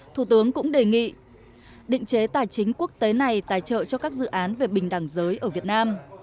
thủ tướng cũng đề nghị định chế tài chính quốc tế này tài trợ cho các dự án về bình đẳng giới ở việt nam